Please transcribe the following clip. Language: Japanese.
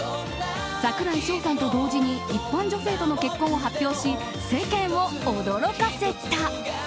櫻井翔さんと同時に一般女性との結婚を発表し世間を驚かせた。